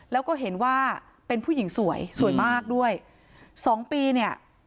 แล้วก็เห็นว่าเป็นผู้หญิงสวยสวยมากด้วยสองปีเนี่ย